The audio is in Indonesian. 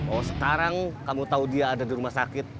oh sekarang kamu tahu dia ada di rumah sakit